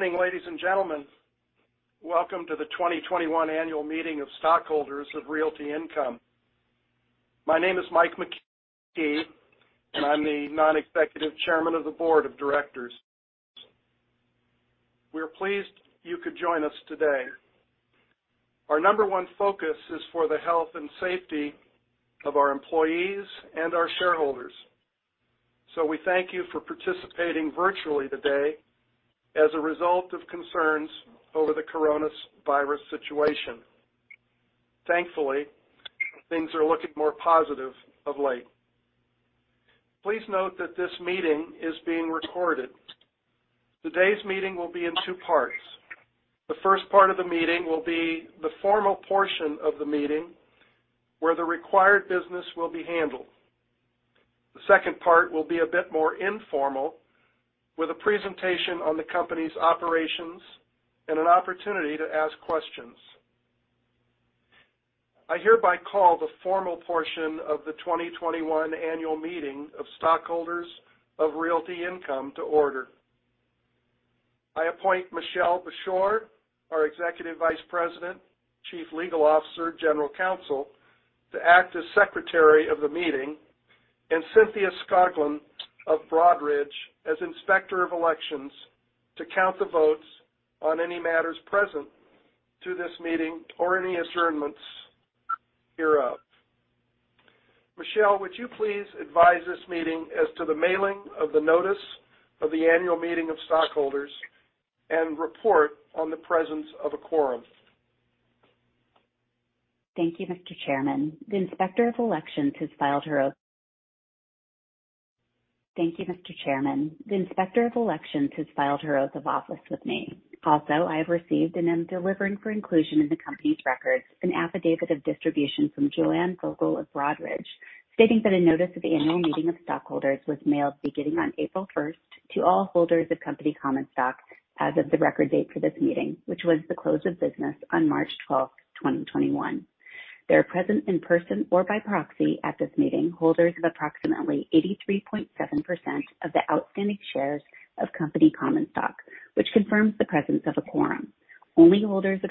Morning, ladies and gentlemen. Welcome to the 2021 annual meeting of stockholders of Realty Income. My name is Mike McKee, and I'm the Non-Executive Chairman of the Board of Directors. We're pleased you could join us today. Our number one focus is for the health and safety of our employees and our shareholders. We thank you for participating virtually today as a result of concerns over the coronavirus situation. Thankfully, things are looking more positive of late. Please note that this meeting is being recorded. Today's meeting will be in two parts. The first part of the meeting will be the formal portion of the meeting, where the required business will be handled. The second part will be a bit more informal, with a presentation on the company's operations and an opportunity to ask questions. I hereby call the formal portion of the 2021 annual meeting of stockholders of Realty Income to order. I appoint Michelle Bushore, our Executive Vice President, Chief Legal Officer, General Counsel, to act as Secretary of the meeting, and Cynthia Skoglund of Broadridge as Inspector of Elections to count the votes on any matters present to this meeting or any adjournments hereof. Michelle, would you please advise this meeting as to the mailing of the notice of the annual meeting of stockholders and report on the presence of a quorum? Thank you, Mr. Chairman. The Inspector of Elections has filed her oath of office with me. Also, I have received and am delivering for inclusion in the company's records, an affidavit of distribution from Joanne Fogel with Broadridge, stating that a notice of annual meeting of stockholders was mailed beginning on April 1st to all holders of company common stock as of the record date for this meeting, which was the close of business on March 12th, 2021. There are present in person or by proxy at this meeting, holders of approximately 83.7% of the outstanding shares of company's common stock, which confirms the presence of a quorum. Only holders of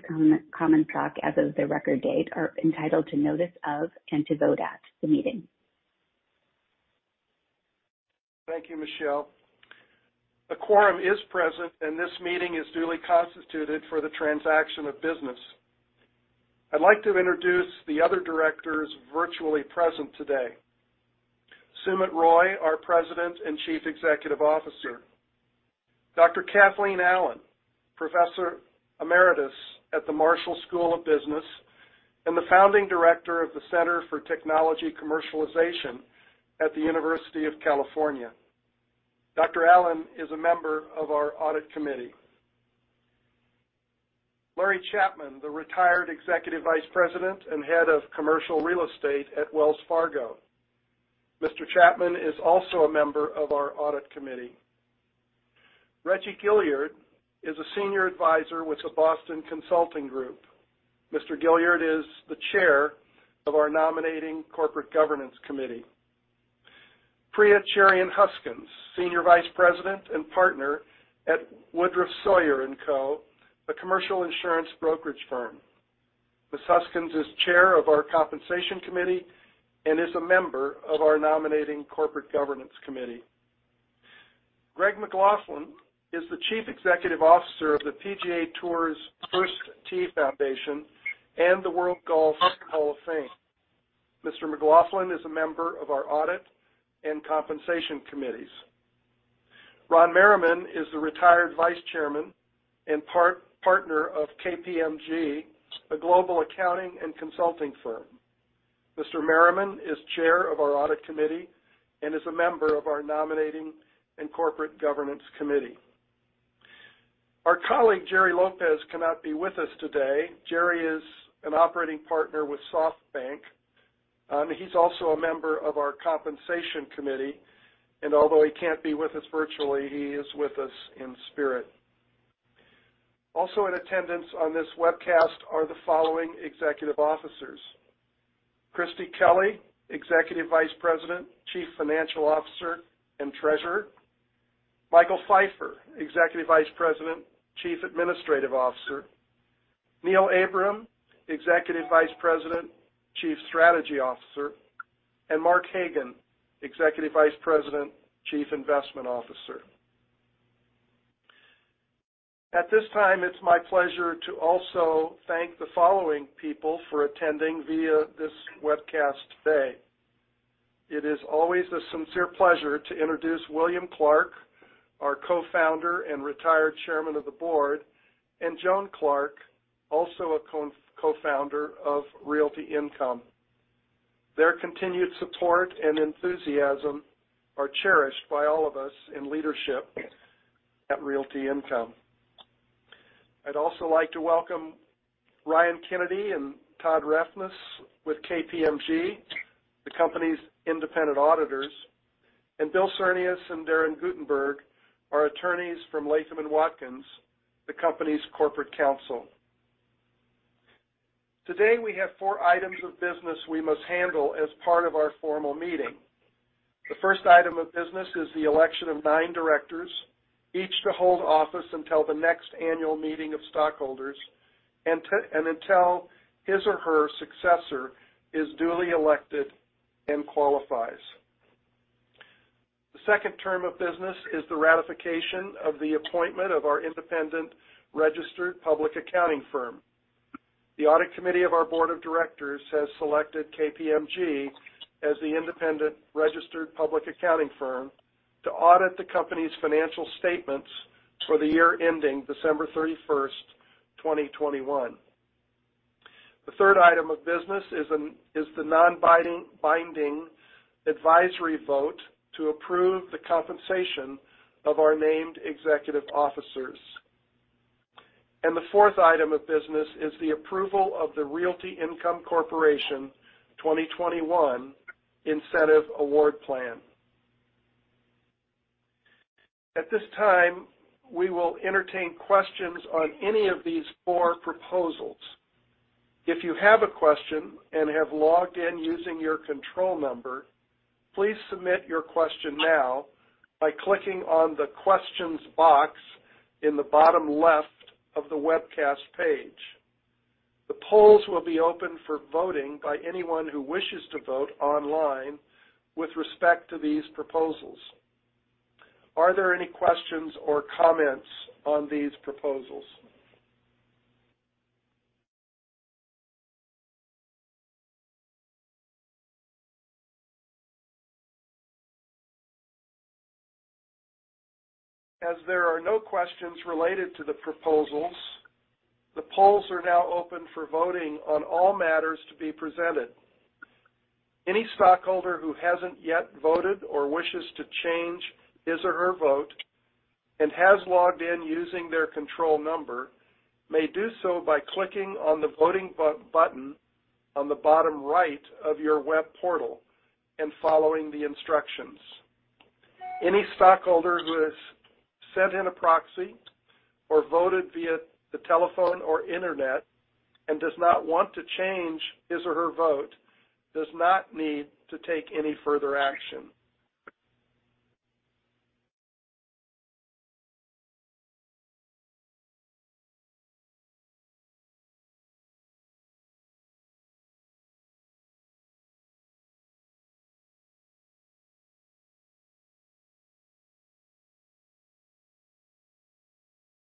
common stock as of the record date are entitled to notice of and to vote at the meeting. Thank you, Michelle. A quorum is present, and this meeting is duly constituted for the transaction of business. I'd like to introduce the other Directors virtually present today. Sumit Roy, our President and Chief Executive Officer. Dr. Kathleen Allen, Professor Emeritus at the Marshall School of Business and the Founding Director of the Center for Technology Commercialization at the University of California. Dr. Allen is a member of our Audit Committee. Larry Chapman, the retired Executive Vice President and Head of Commercial Real Estate at Wells Fargo. Mr. Chapman is also a member of our Audit Committee. Reggie Gilyard is a Senior Advisor with the Boston Consulting Group. Mr. Gilyard is the Chair of our Nominating/Corporate Governance Committee. Priya Cherian Huskins, Senior Vice President and Partner at Woodruff Sawyer & Co., a commercial insurance brokerage firm. Ms. Huskins is Chair of our Compensation Committee and is a member of our Nominating/Corporate Governance Committee. Greg McLaughlin is the Chief Executive Officer of the PGA TOUR's First Tee Foundation and the World Golf Hall of Fame. Mr. McLaughlin is a member of our Audit and Compensation Committees. Ron Merriman is the retired Vice Chairman and Partner of KPMG, a global accounting and consulting firm. Mr. Merriman is Chair of our Audit Committee and is a member of our Nominating/Corporate Governance Committee. Our colleague, Gerry Lopez, cannot be with us today. Gerry is an Operating Partner with SoftBank. He's also a member of our Compensation Committee, and although he can't be with us virtually, he is with us in spirit. Also in attendance on this webcast are the following executive officers. Christie Kelly, Executive Vice President, Chief Financial Officer, and Treasurer. Michael Pfeiffer, Executive Vice President, Chief Administrative Officer. Neil Abraham, Executive Vice President, Chief Strategy Officer, and Mark Hagan, Executive Vice President, Chief Investment Officer. At this time, it's my pleasure to also thank the following people for attending via this webcast today. It is always a sincere pleasure to introduce William Clark, our Co-Founder and retired Chairman of the Board, and Joan Clark, also a Co-Founder of Realty Income. Their continued support and enthusiasm are cherished by all of us in leadership at Realty Income. I'd also like to welcome Ryan Kennedy and Todd Rathlus with KPMG, the company's independent auditors, and Bill Cernius and Darren Guttenberg, our attorneys from Latham & Watkins, the company's corporate counsel. Today, we have four items of business we must handle as part of our formal meeting. The first item of business is the election of nine directors, each to hold office until the next annual meeting of stockholders, and until his or her successor is duly elected and qualifies. The second item of business is the ratification of the appointment of our independent registered public accounting firm. The Audit Committee of our board of directors has selected KPMG as the independent registered public accounting firm to audit the company's financial statements for the year ending December 31st, 2021. The third item of business is the non-binding advisory vote to approve the compensation of our named executive officers. The fourth item of business is the approval of the Realty Income Corporation 2021 Incentive Award Plan. At this time, we will entertain questions on any of these four proposals. If you have a question and have logged in using your control number, please submit your question now by clicking on the questions box in the bottom left of the webcast page. The polls will be open for voting by anyone who wishes to vote online with respect to these proposals. Are there any questions or comments on these proposals? As there are no questions related to the proposals, the polls are now open for voting on all matters to be presented. Any stockholder who hasn't yet voted or wishes to change his or her vote and has logged in using their control number may do so by clicking on the voting button on the bottom right of your web portal and following the instructions. Any stockholder who has sent in a proxy or voted via the telephone or internet and does not want to change his or her vote does not need to take any further action.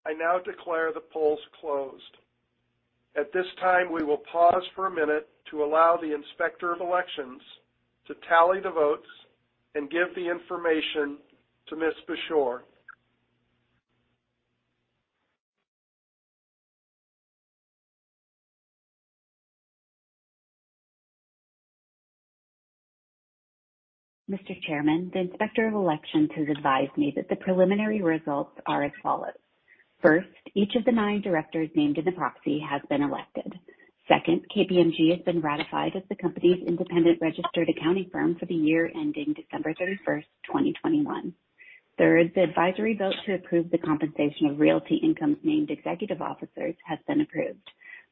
I now declare the polls closed. At this time, we will pause for a minute to allow the Inspector of Elections to tally the votes and give the information to Ms. Bushore. Mr. Chairman, the Inspector of Elections has advised me that the preliminary results are as follows. First, each of the nine directors named in the proxy has been elected. Second, KPMG has been ratified as the company's independent registered accounting firm for the year ending December 31st, 2021. Third, the advisory vote to approve the compensation of Realty Income's named executive officers has been approved.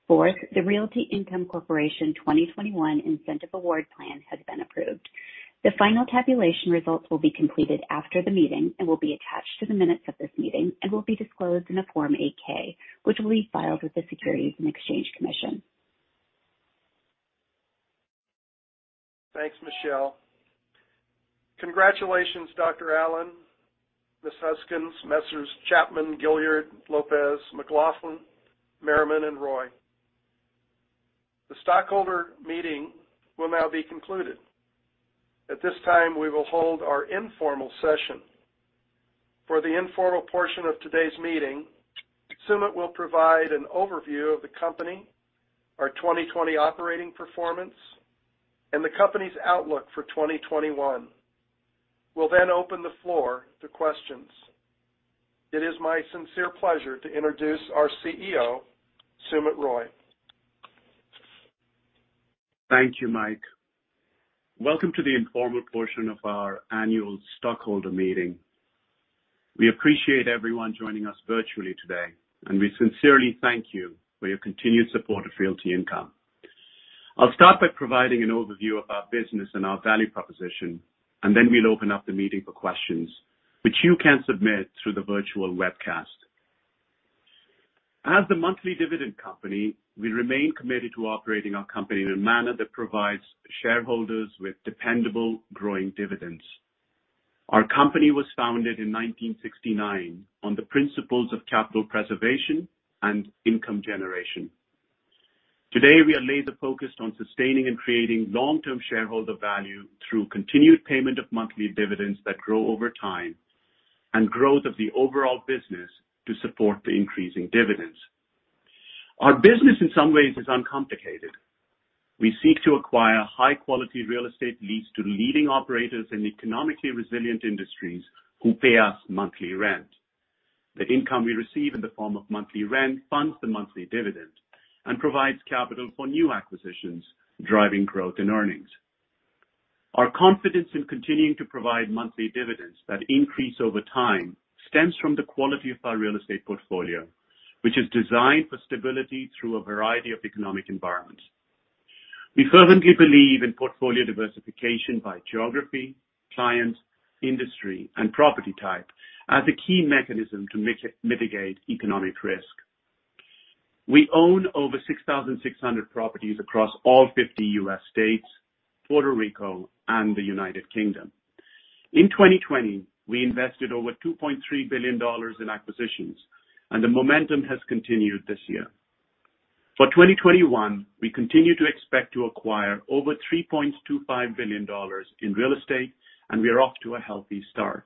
Fourth, the Realty Income Corporation 2021 Incentive Award Plan has been approved. The final tabulation results will be completed after the meeting and will be attached to the minutes of this meeting and will be disclosed in a Form 8-K, which will be filed with the Securities and Exchange Commission. Thanks, Michelle. Congratulations, Dr. Allen, Ms. Huskins, Messrs. Chapman, Gilyard, Lopez, McLaughlin, Merriman, and Roy. The stockholder meeting will now be concluded. At this time, we will hold our informal session. For the informal portion of today's meeting, Sumit will provide an overview of the company, our 2020 operating performance, and the company's outlook for 2021. We'll open the floor to questions. It is my sincere pleasure to introduce our CEO, Sumit Roy. Thank you, Mike. Welcome to the informal portion of our annual stockholder meeting. We appreciate everyone joining us virtually today, and we sincerely thank you for your continued support of Realty Income. I'll start by providing an overview of our business and our value proposition, and then we'll open up the meeting for questions, which you can submit through the virtual webcast. As a monthly dividend company, we remain committed to operating our company in a manner that provides shareholders with dependable, growing dividends. Our company was founded in 1969 on the principles of capital preservation and income generation. Today, we are laser-focused on sustaining and creating long-term shareholder value through continued payment of monthly dividends that grow over time and growth of the overall business to support the increasing dividends. Our business, in some ways, is uncomplicated. We seek to acquire high-quality real estate leads to leading operators in economically resilient industries who pay us monthly rent. The income we receive in the form of monthly rent funds the monthly dividend and provides capital for new acquisitions, driving growth and earnings. Our confidence in continuing to provide monthly dividends that increase over time stems from the quality of our real estate portfolio, which is designed for stability through a variety of economic environments. We firmly believe in portfolio diversification by geography, clients, industry, and property type as a key mechanism to mitigate economic risk. We own over 6,600 properties across all 50 U.S. states, Puerto Rico, and the U.K. In 2020, we invested over $2.3 billion in acquisitions. The momentum has continued this year. For 2021, we continue to expect to acquire over $3.25 billion in real estate. We are off to a healthy start.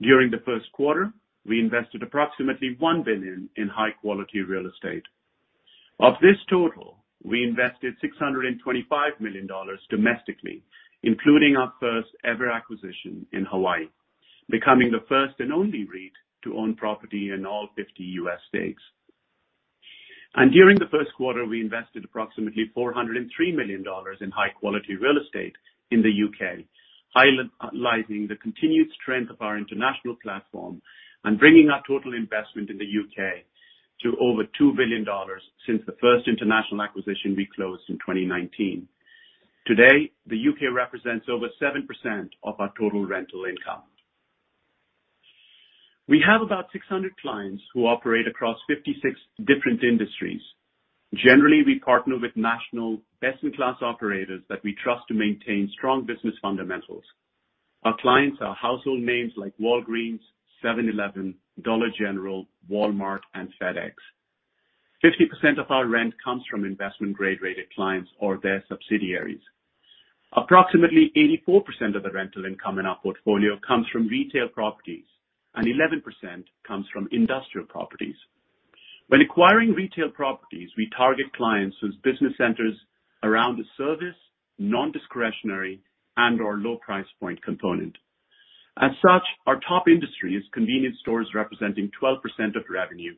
During the first quarter, we invested approximately $1 billion in high-quality real estate. Of this total, we invested $625 million domestically, including our first-ever acquisition in Hawaii, becoming the first and only REIT to own property in all 50 U.S. states. During the first quarter, we invested approximately $403 million in high-quality real estate in the U.K., highlighting the continued strength of our international platform and bringing our total investment in the U.K. to over $2 billion since the first international acquisition we closed in 2019. Today, the U.K. represents over 7% of our total rental income. We have about 600 clients who operate across 56 different industries. Generally, we partner with national best-in-class operators that we trust to maintain strong business fundamentals. Our clients are household names like Walgreens, 7-Eleven, Dollar General, Walmart, and FedEx. 50% of our rent comes from investment grade rated clients or their subsidiaries. Approximately 84% of the rental income in our portfolio comes from retail properties, and 11% comes from industrial properties. When acquiring retail properties, we target clients whose business centers around a service, non-discretionary, and/or low price point component. As such, our top industry is convenience stores representing 12% of revenue,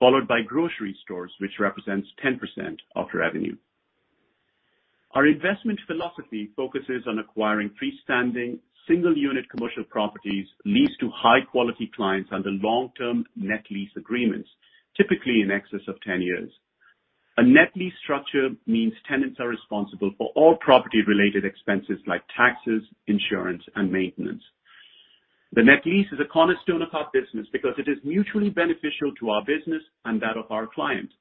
followed by grocery stores, which represents 10% of revenue. Our investment philosophy focuses on acquiring freestanding, single-unit commercial properties leased to high-quality clients under long-term net lease agreements, typically in excess of 10 years. A net lease structure means tenants are responsible for all property related expenses like taxes, insurance, and maintenance. The net lease is a cornerstone of our business because it is mutually beneficial to our business and that of our clients.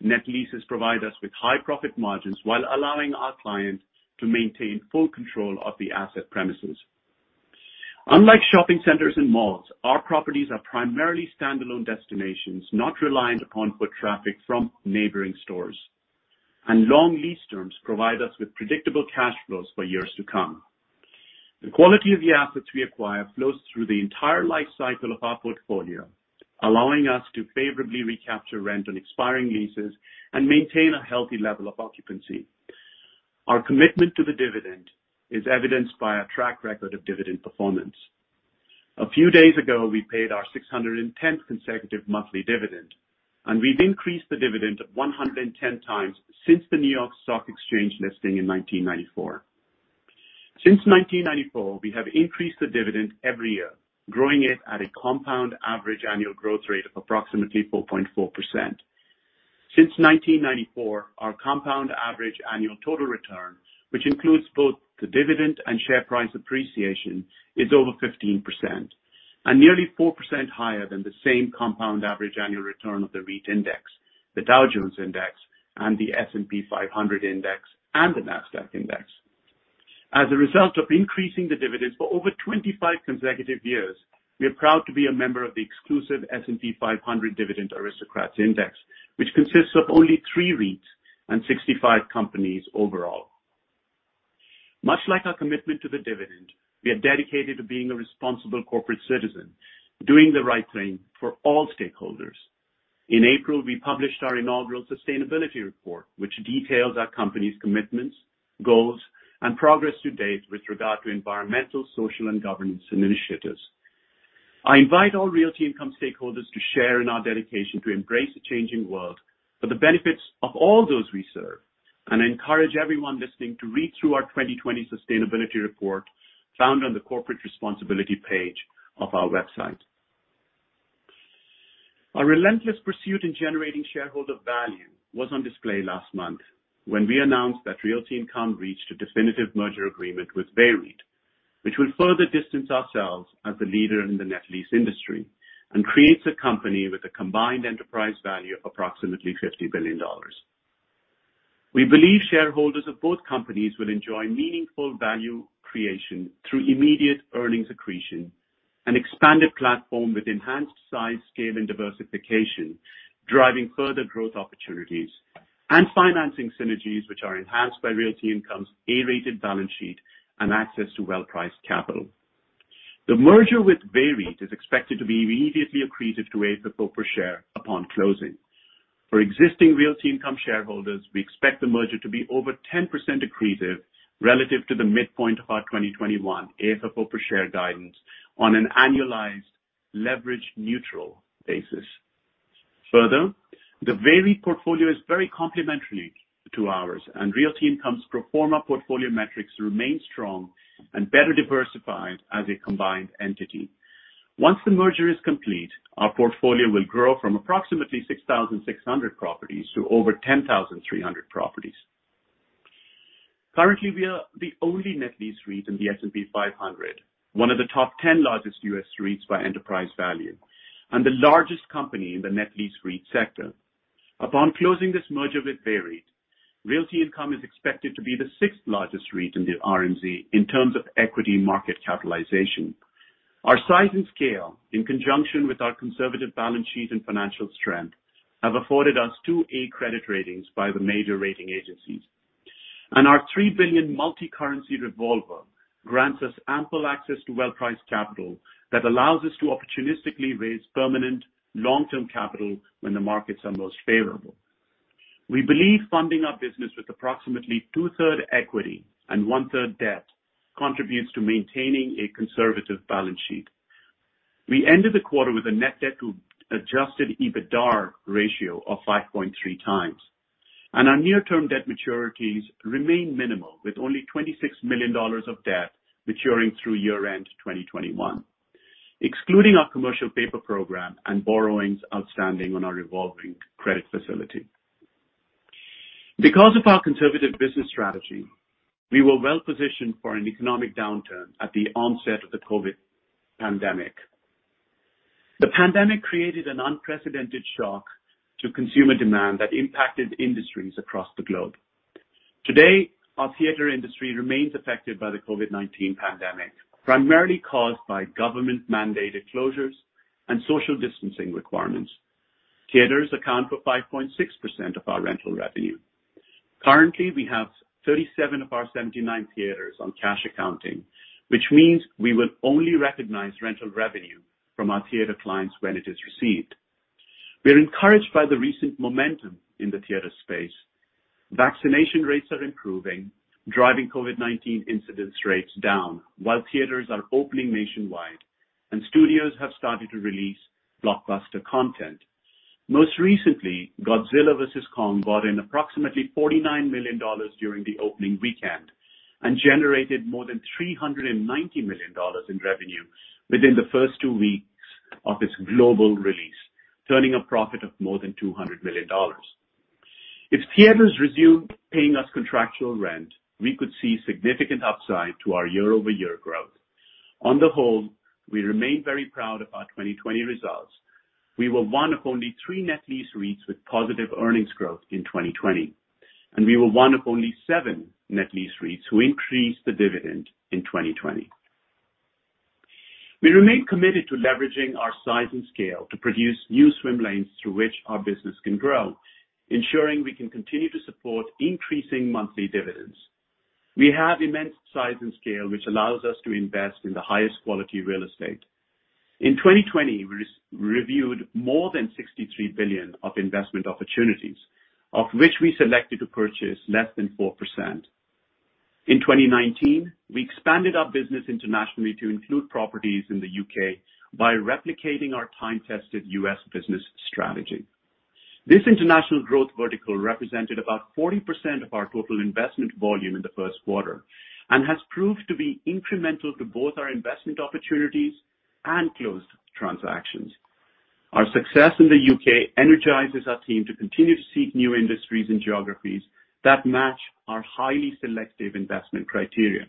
Net leases provide us with high profit margins while allowing our clients to maintain full control of the asset premises. Unlike shopping centers and malls, our properties are primarily standalone destinations, not reliant upon foot traffic from neighboring stores. Long lease terms provide us with predictable cash flows for years to come. The quality of the assets we acquire flows through the entire life cycle of our portfolio, allowing us to favorably recapture rent on expiring leases and maintain a healthy level of occupancy. Our commitment to the dividend is evidenced by a track record of dividend performance. A few days ago, we paid our 610th consecutive monthly dividend, and we've increased the dividend 110 times since the New York Stock Exchange listing in 1994. Since 1994, we have increased the dividend every year, growing it at a compound average annual growth rate of approximately 4.4%. Since 1994, our compound average annual total return, which includes both the dividend and share price appreciation, is over 15% and nearly 4% higher than the same compound average annual return of the REIT Index, the Dow Jones Index, and the S&P 500 Index, and the Nasdaq Index. As a result of increasing the dividends for over 25 consecutive years, we are proud to be a member of the exclusive S&P 500 Dividend Aristocrats Index, which consists of only three REITs and 65 companies overall. Much like our commitment to the dividend, we are dedicated to being a responsible corporate citizen, doing the right thing for all stakeholders. In April, we published our inaugural sustainability report, which details our company's commitments, goals, and progress to date with regard to environmental, social, and governance initiatives. I invite all Realty Income stakeholders to share in our dedication to embrace a changing world for the benefits of all those we serve, encourage everyone listening to read through our 2020 sustainability report found on the corporate responsibility page of our website. Our relentless pursuit in generating shareholder value was on display last month when we announced that Realty Income reached a definitive merger agreement with VEREIT, which would further distance ourselves as the leader in the net lease industry and creates a company with a combined enterprise value of approximately $50 billion. We believe shareholders of both companies will enjoy meaningful value creation through immediate earnings accretion, an expanded platform with enhanced size, scale, and diversification, driving further growth opportunities, and financing synergies which are enhanced by Realty Income's A-rated balance sheet and access to well-priced capital. The merger with VEREIT is expected to be immediately accretive to AFFO per share upon closing. For existing Realty Income shareholders, we expect the merger to be over 10% accretive relative to the midpoint of our 2021 AFFO per share guidance on an annualized leverage neutral basis. The VEREIT portfolio is very complementary to ours, and Realty Income's pro forma portfolio metrics remain strong and better diversified as a combined entity. Once the merger is complete, our portfolio will grow from approximately 6,600 properties to over 10,300 properties. Currently, we are the only net lease REIT in the S&P 500, one of the top 10 largest U.S. REITs by enterprise value, and the largest company in the net lease REIT sector. Upon closing this merger with VEREIT, Realty Income is expected to be the sixth-largest REIT in the RMZ in terms of equity market capitalization. Our size and scale, in conjunction with our conservative balance sheet and financial strength, have afforded us AA credit ratings by the major rating agencies. Our $3 billion multi-currency revolver grants us ample access to well-priced capital that allows us to opportunistically raise permanent long-term capital when the markets are most favorable. We believe funding our business with approximately 2/3 equity and 1/3 debt contributes to maintaining a conservative balance sheet. We ended the quarter with a net debt to adjusted EBITDA ratio of 5.3 times. Our near-term debt maturities remain minimal, with only $26 million of debt maturing through year-end 2021, excluding our commercial paper program and borrowings outstanding on our revolving credit facility. Because of our conservative business strategy, we were well positioned for an economic downturn at the onset of the COVID pandemic. The pandemic created an unprecedented shock to consumer demand that impacted industries across the globe. Today, our theater industry remains affected by the COVID-19 pandemic, primarily caused by government-mandated closures and social distancing requirements. Theaters account for 5.6% of our rental revenue. Currently, we have 37 of our 79 theaters on cash accounting, which means we will only recognize rental revenue from our theater clients when it is received. We are encouraged by the recent momentum in the theater space. Vaccination rates are improving, driving COVID-19 incidence rates down, while theaters are opening nationwide and studios have started to release blockbuster content. Most recently, Godzilla vs. Kong brought in approximately $49 million during the opening weekend and generated more than $390 million in revenue within the first two weeks of its global release, turning a profit of more than $200 million. If theaters resume paying us contractual rent, we could see significant upside to our year-over-year growth. On the whole, we remain very proud of our 2020 results. We were one of only three net lease REITs with positive earnings growth in 2020, and we were one of only seven net lease REITs who increased the dividend in 2020. We remain committed to leveraging our size and scale to produce new swim lanes through which our business can grow, ensuring we can continue to support increasing monthly dividends. We have immense size and scale, which allows us to invest in the highest quality real estate. In 2020, we reviewed more than $63 billion of investment opportunities, of which we selected to purchase less than 4%. In 2019, we expanded our business internationally to include properties in the U.K. by replicating our time-tested U.S. business strategy. This international growth vertical represented about 40% of our total investment volume in the first quarter and has proved to be incremental to both our investment opportunities and closed transactions. Our success in the U.K. energizes our team to continue to seek new industries and geographies that match our highly selective investment criteria.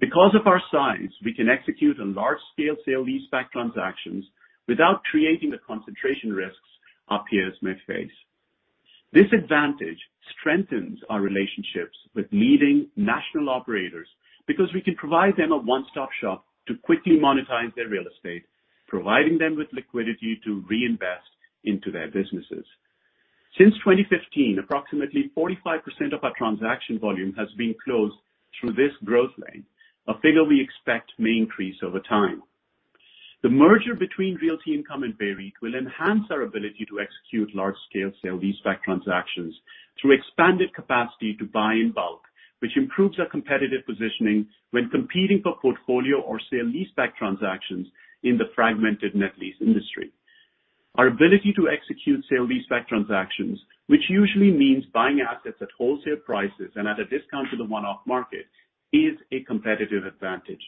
Because of our size, we can execute on large-scale sale-leaseback transactions without creating the concentration risks our peers may face. This advantage strengthens our relationships with leading national operators because we can provide them a one-stop shop to quickly monetize their real estate, providing them with liquidity to reinvest into their businesses. Since 2015, approximately 45% of our transaction volume has been closed through this growth lane, a figure we expect may increase over time. The merger between Realty Income and VEREIT will enhance our ability to execute large-scale sale-leaseback transactions through expanded capacity to buy in bulk, which improves our competitive positioning when competing for portfolio or sale-leaseback transactions in the fragmented net lease industry. Our ability to execute sale-leaseback transactions, which usually means buying assets at wholesale prices and at a discount to the one-off market, is a competitive advantage.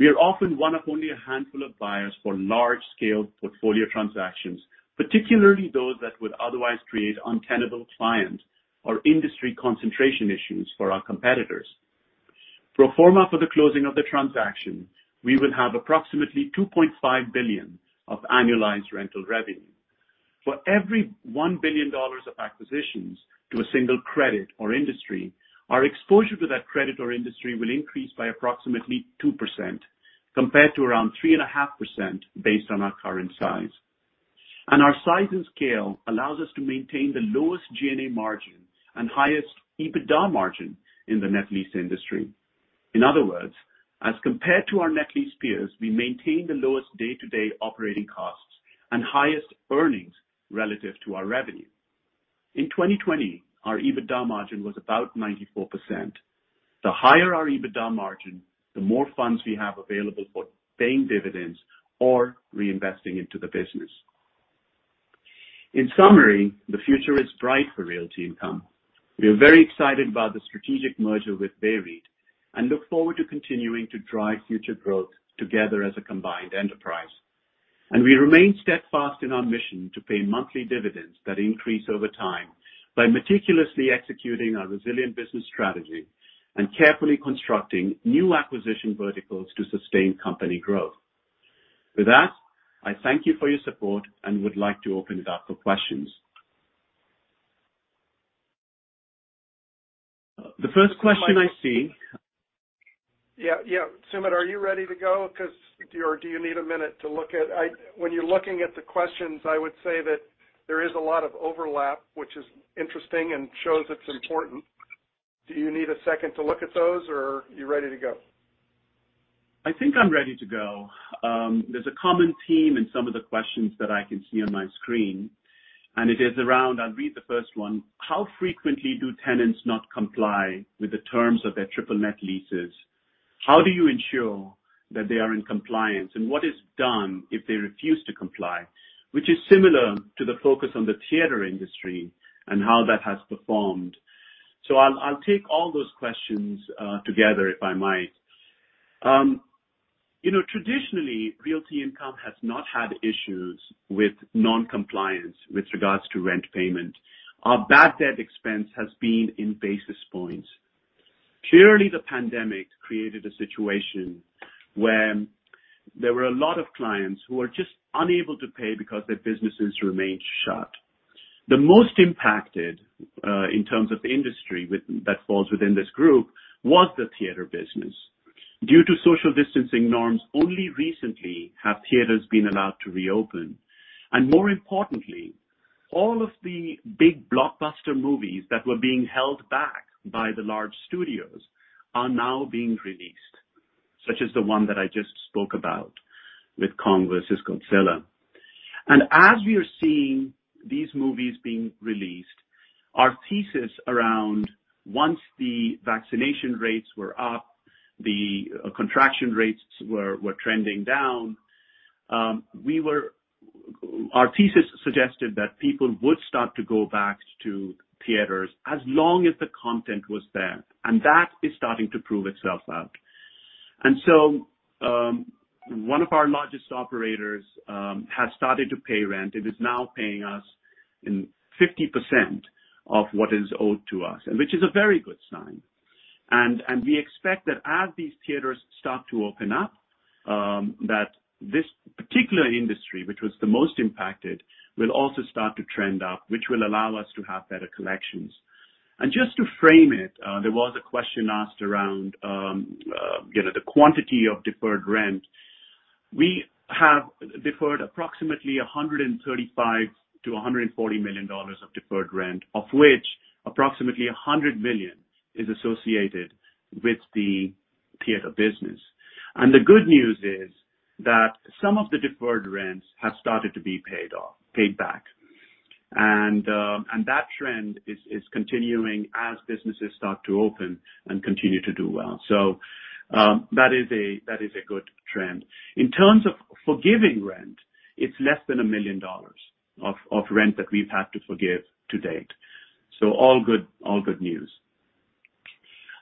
We are often one of only a handful of buyers for large-scale portfolio transactions, particularly those that would otherwise create untenable client or industry concentration issues for our competitors. Pro forma for the closing of the transaction, we will have approximately $2.5 billion of annualized rental revenue. For every $1 billion of acquisitions to a single credit or industry, our exposure to that credit or industry will increase by approximately 2%, compared to around 3.5% based on our current size. Our size and scale allow us to maintain the lowest G&A margin and highest EBITDA margin in the net lease industry. In other words, as compared to our net lease peers, we maintain the lowest day-to-day operating costs and highest earnings relative to our revenue. In 2020, our EBITDA margin was about 94%. The higher our EBITDA margin, the more funds we have available for paying dividends or reinvesting into the business. In summary, the future is bright for Realty Income. We are very excited about the strategic merger with VEREIT and look forward to continuing to drive future growth together as a combined enterprise. We remain steadfast in our mission to pay monthly dividends that increase over time by meticulously executing our resilient business strategy and carefully constructing new acquisition verticals to sustain company growth. With that, I thank you for your support and would like to open it up for questions. The first question I see. Yeah. Sumit, are you ready to go? Do you need a minute to look at? When you're looking at the questions? I would say that there is a lot of overlap, which is interesting and shows it's important. Do you need a second to look at those, or are you ready to go? I think I'm ready to go. There's a common theme in some of the questions that I can see on my screen, and it is around, I'll read the first one. How frequently do tenants not comply with the terms of their triple-net leases? How do you ensure that they are in compliance, and what is done if they refuse to comply? Which is similar to the focus on the theater industry and how that has performed. I'll take all those questions together, if I might. Traditionally, Realty Income has not had issues with non-compliance with regards to rent payment. Our bad debt expense has been in basis points. Clearly, the pandemic created a situation where there were a lot of clients who were just unable to pay because their businesses remained shut. The most impacted, in terms of industry that falls within this group, was the theater business. Due to social distancing norms, only recently have theaters been allowed to reopen. More importantly, all of the big blockbuster movies that were being held back by the large studios are now being released, such as the one that I just spoke about with Godzilla vs. Kong. As we are seeing these movies being released, our thesis around once the vaccination rates were up, the contraction rates were trending down. Our thesis suggested that people would start to go back to theaters as long as the content was there, and that is starting to prove itself out. One of our largest operators has started to pay rent and is now paying us 50% of what is owed to us, which is a very good sign. We expect that as these theaters start to open up, that this particular industry, which was the most impacted, will also start to trend up, which will allow us to have better collections. Just to frame it, there was a question asked around the quantity of deferred rent. We have deferred approximately $135 million-$140 million of deferred rent, of which approximately $100 million is associated with the theater business. The good news is that some of the deferred rents have started to be paid back, and that trend is continuing as businesses start to open and continue to do well. That is a good trend. In terms of forgiving rent, it's less than $1 million of rent that we've had to forgive to date. All good news.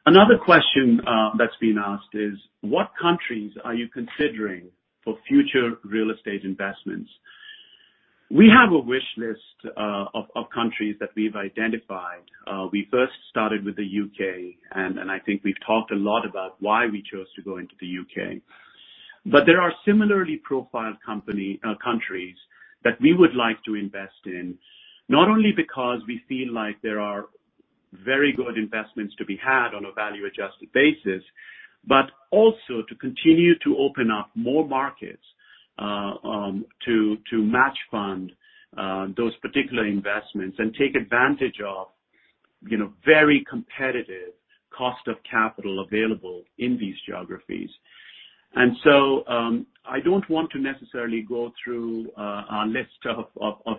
Another question that's been asked is, what countries are you considering for future real estate investments? We have a wish list of countries that we've identified. We first started with the U.K., I think we've talked a lot about why we chose to go into the U.K. There are similarly profiled countries that we would like to invest in, not only because we feel like there are very good investments to be had on a value-adjusted basis, but also to continue to open up more markets, to match fund those particular investments and take advantage of very competitive cost of capital available in these geographies. I don't want to necessarily go through our list of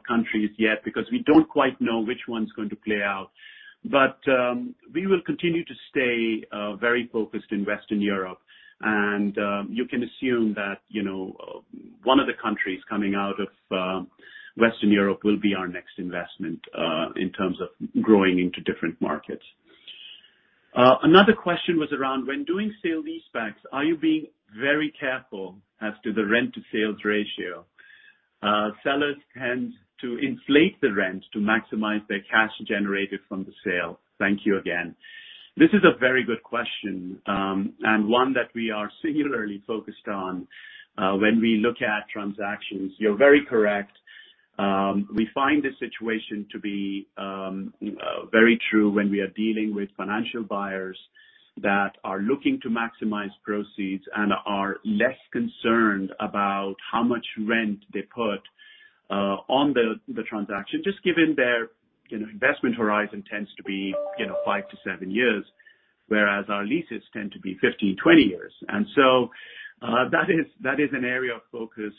countries yet because we don't quite know which one's going to play out. We will continue to stay very focused invest in Europe, and you can assume that one of the countries coming out of Western Europe will be our next investment in terms of growing into different markets. Another question was around when doing sale-leasebacks, are you being very careful as to the rent-to-sales ratio? Sellers tend to inflate the rents to maximize their cash generated from the sale. Thank you again. This is a very good question, and one that we are singularly focused on when we look at transactions. You're very correct. We find this situation to be very true when we are dealing with financial buyers that are looking to maximize proceeds and are less concerned about how much rent they put on the transaction, just given their investment horizon tends to be five-seven years. Our leases tend to be 15 years, 20 years. That is an area of focus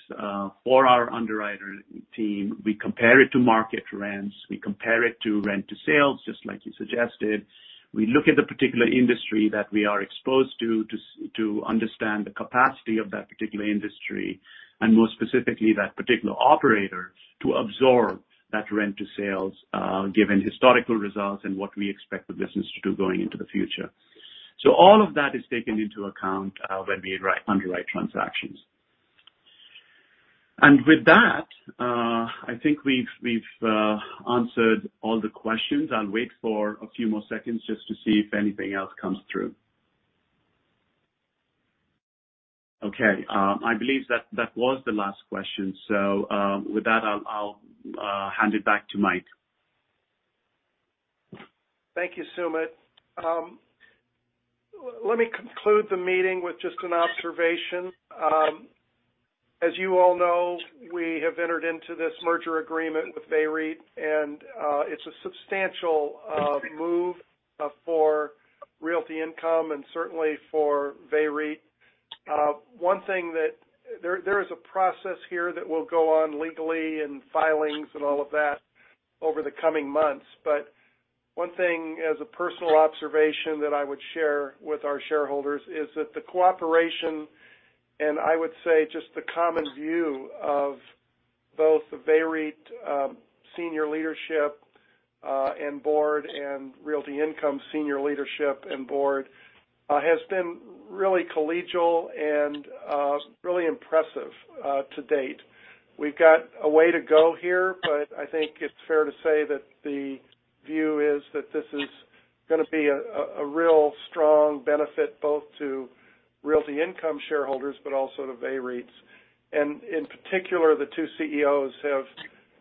for our underwriter team. We compare it to market rents. We compare it to rent to sales, just like you suggested. We look at the particular industry that we are exposed to understand the capacity of that particular industry and more specifically, that particular operator to absorb that rent to sales, given historical results and what we expect the business to do going into the future. All of that is taken into account when we underwrite transactions. With that, I think we've answered all the questions. I'll wait for a few more seconds just to see if anything else comes through. Okay. I believe that was the last question. With that, I'll hand it back to Mike. Thank you, Sumit. Let me conclude the meeting with just an observation. As you all know, we have entered into this merger agreement with VEREIT, and it's a substantial move for Realty Income and certainly for VEREIT. There is a process here that will go on legally and filings and all of that over the coming months. One thing as a personal observation that I would share with our shareholders, is that the cooperation, and I would say just the common view of both the VEREIT senior leadership and board, and Realty Income senior leadership and board, has been really collegial and really impressive to date. We've got a way to go here, but I think it's fair to say that the view is that this is going to be a real strong benefit both to Realty Income shareholders but also to VEREIT's. In particular, the two CEOs have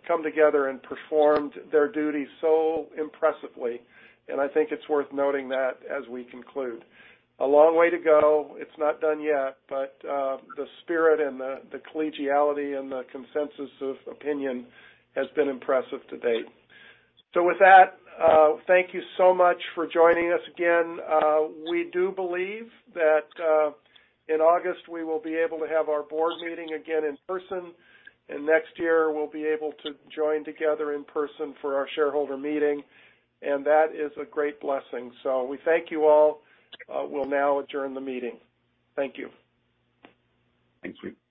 come together and performed their duty so impressively, and I think it's worth noting that as we conclude. A long way to go. It's not done yet, but the spirit and the collegiality and the consensus of opinion has been impressive to date. With that, thank you so much for joining us again. We do believe that in August we will be able to have our board meeting again in person, and next year we'll be able to join together in person for our shareholder meeting, and that is a great blessing. We thank you all. We'll now adjourn the meeting. Thank you. Thank you.